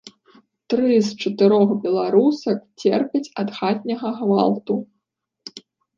Тры з чатырох беларусак церпяць ад хатняга гвалту.